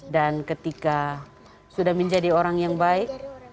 dan ketika sudah menjadi orang yang baik